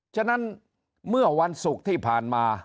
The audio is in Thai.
ฉะนั้นเมื่อวันศุกร์ที่ผ่านมา